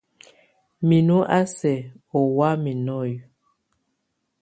Minú a sɛk oŋwam nɔ́ye.